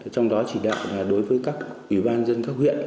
trong đó chỉ đạo đối với các ủy ban dân các huyện